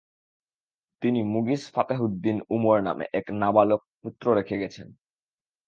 তিনি মুগিস ফাতেহুদ্দিন উমর নামে এক নাবালিক পুত্র রেখে গেছেন।